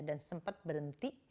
dan sempat berhenti